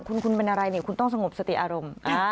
คุณเป็นอะไรเนี่ยคุณต้องสงบสติอารมณ์